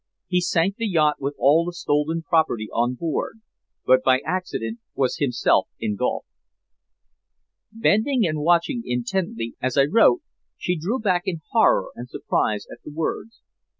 He sank the yacht with all the stolen property on board, but by accident was himself engulfed." Bending and watching intently as I wrote, she drew back in horror and surprise at the words.